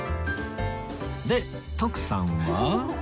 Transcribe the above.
で徳さんは